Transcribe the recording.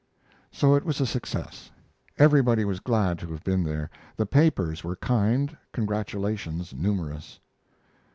So it was a success: everybody was glad to have been there; the papers were kind, congratulations numerous.